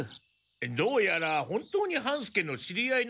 どうやら本当に半助の知り合いのようだな。